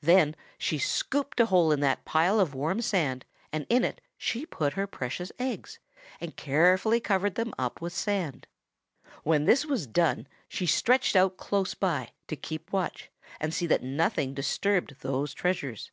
Then she scooped a hole in that pile of warm sand, and in it she put her precious eggs and carefully covered them up with sand. When this was done she stretched out close by to keep watch and see that nothing disturbed those treasures.